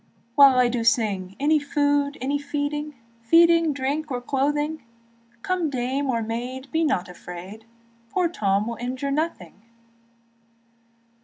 While I do sing, Any food, any feeding, Feeding, drink, or clothing; Come dame or maid, be not afraid, Poor Tom will injure nothing.